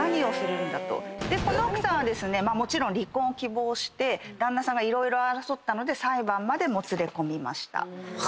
この奥さんはもちろん離婚を希望して旦那さんが色々争ったので裁判までもつれ込みました。